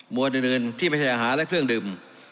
อื่นที่ไม่ใช่อาหารและเครื่องดื่ม